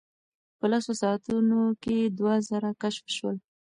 په لسو ساعتونو کې دوه زره کشف شول.